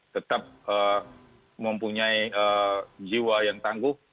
tetap mempunyai jiwa yang tangguh